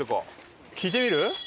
聞いてみる？